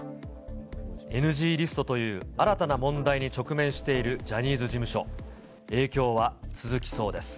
ＮＧリストという新たな問題に直面しているジャニーズ事務所。